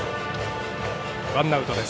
ワンアウトです。